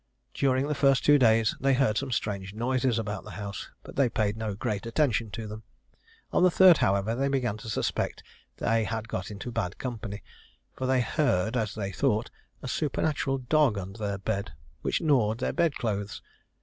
During the first two days they heard some strange noises about the house, but they paid no great attention to them. On the third, however, they began to suspect they had got into bad company; for they heard, as they thought, a supernatural dog under their bed, which gnawed their bedclothes.